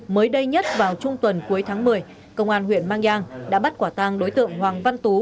mới đây nhất vào trung tuần cuối tháng một mươi công an huyện mang giang đã bắt quả tang đối tượng hoàng văn tú